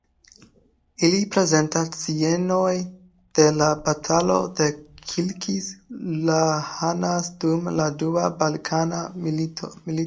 Ili prezentas scenojn de la Batalo de Kilkis-Lahanas dum la Dua Balkana Milito.